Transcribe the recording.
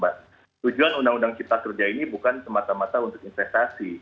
tujuan undang undang cipta kerja ini bukan semata mata untuk investasi